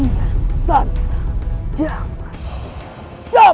rai yang bawa